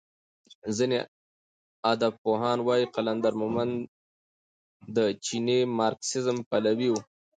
ځینې ادبپوهان وايي قلندر مومند د چیني مارکسیزم پلوی و.